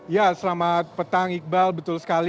ya selamat petang iqbal betul sekali